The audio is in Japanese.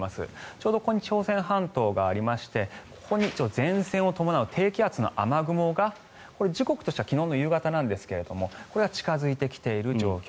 ちょうどここに朝鮮半島がありましてここに前線を伴う低気圧の雨雲がこれ、時刻としては昨日の夕方なんですがこれは近付いてきている状況。